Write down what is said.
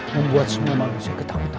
membuat semua manusia ketakutan